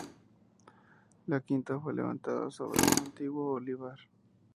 La quinta fue levantada sobre un antiguo olivar.